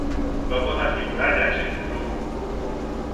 Vă pot asigura de acest lucru.